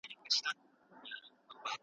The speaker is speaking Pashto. د خبریالانو خوندیتوب باید په پام کې ونیول شي.